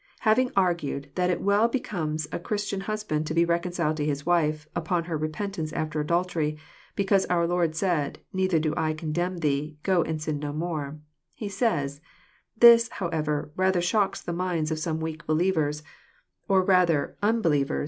Having argued that it well becomes a Chris tian husband to be reconciled to his wife, upon her repentance after adultery, because our Lord said, *' Neither do I condemn thee : go and sin no more," — he says, This, however, rather shocks the minds of some weak believers, or rather unbelievers 68 EXPOsrroKT thoughts.